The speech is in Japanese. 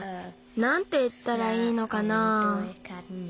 なんていったらいいのかな。